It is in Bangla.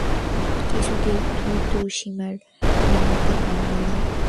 কিছুতেই তুই তোর সীমা ডিংগাতে পারবি না।